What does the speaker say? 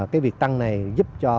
cái việc tăng này giúp cho